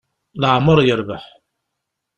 Leɛmer yerbeḥ.